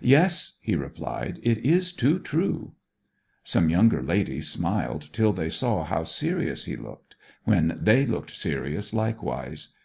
'Yes,' he replied, 'it is too true.' Some younger ladies smiled till they saw how serious he looked, when they looked serious likewise.